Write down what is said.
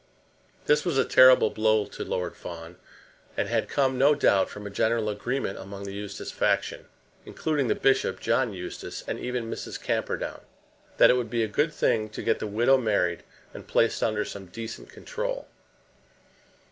This was a terrible blow to Lord Fawn, and had come, no doubt, from a general agreement among the Eustace faction, including the bishop, John Eustace, and even Mr. Camperdown, that it would be a good thing to get the widow married and placed under some decent control.